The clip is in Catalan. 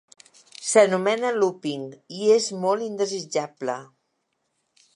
S'anomena "looping" i és molt indesitjable.